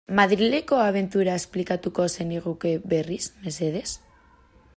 Madrileko abentura esplikatuko zeniguke berriz, mesedez?